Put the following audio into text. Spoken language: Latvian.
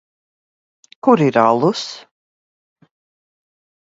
Kur ir alus?